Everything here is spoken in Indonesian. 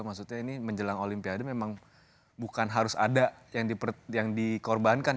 maksudnya ini menjelang olimpiade memang bukan harus ada yang dikorbankan